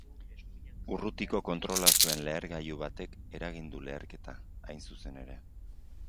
Urrutiko kontrola zuen lehergailu batek eragin du leherketa, hain zuzen ere.